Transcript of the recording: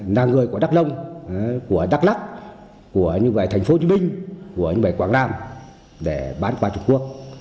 là người của đắk nông của đắk lắc của thành phố hồ chí minh của quảng nam để bán qua trung quốc